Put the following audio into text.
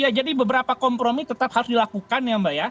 ya jadi beberapa kompromi tetap harus dilakukan ya mbak ya